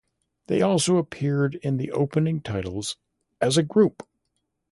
They also appeared in the opening titles as a group.